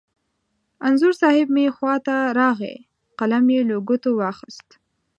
انځور صاحب مې خوا ته راغی، قلم یې له ګوتو واخست.